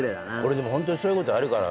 ホントにそういうことあるから。